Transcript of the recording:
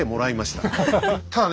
ただね